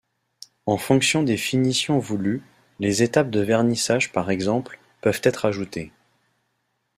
En fonction des finitions voulues, des étapes de vernissage par exemple, peuvent être ajoutées.